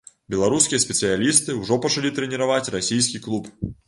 Беларускія спецыялісты ўжо пачалі трэніраваць расійскі клуб.